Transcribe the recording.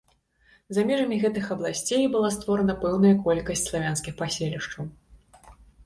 За межамі гэтых абласцей была створана пэўная колькасць славянскіх паселішчаў.